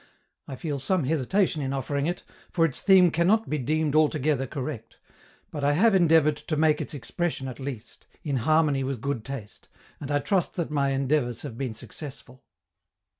I feel some hesitation in offering it, for its theme can not be deemed altogether correct; but I have endeavored to make its expression, at least, in harmony with good taste, and I trust that my endeavors have been successful.